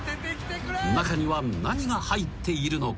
［中には何が入っているのか？］